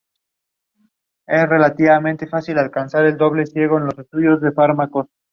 Trabaja y es editor sobre la flora de China.